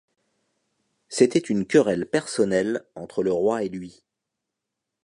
C’était une querelle personnelle entre le roi et lui.